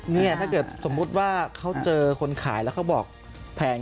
นี่ถ้าเกิดสมมุติว่าเขาเจอคนขายแล้วเขาบอกแพง